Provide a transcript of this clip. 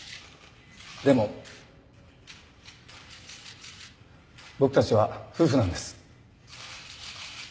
でも僕たちは夫婦なんです。